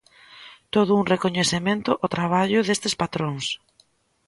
Todo un recoñecemento ao traballo destes patróns.